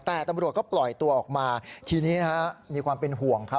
แต่ตำรวจก็ปล่อยตัวออกมาทีนี้นะฮะมีความเป็นห่วงครับ